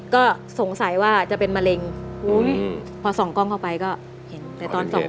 ก็สงสัยว่าจะเป็นมะเร็งอุ้ยพอส่องกล้องเข้าไปก็เห็น